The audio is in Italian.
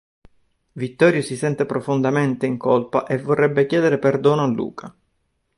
Vittorio si sente profondamente in colpa e vorrebbe chiedere perdono a Luca.